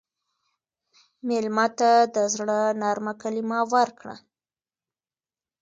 مېلمه ته د زړه نرمه کلمه ورکړه.